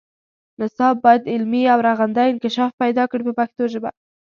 نصاب باید علمي او رغنده انکشاف پیدا کړي په پښتو ژبه.